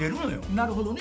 なるほどね。